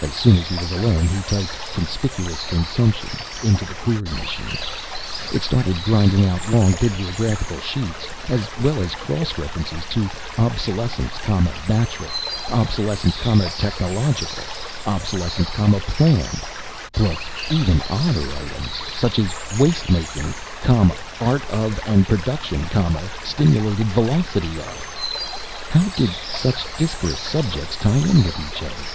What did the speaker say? As soon as he was alone he typed Conspicuous consumption into the query machine. It started grinding out long bibliographical sheets as well as cross references to Obsolescence, Natural; Obsolescence, Technological; Obsolescence, Planned, plus even odder items such as Waste making, Art of and Production, Stimulated velocity of. How did such disparate subjects tie in with each other?